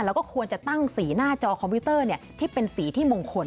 แล้วก็ควรจะตั้งสีหน้าจอคอมพิวเตอร์ที่เป็นสีที่มงคล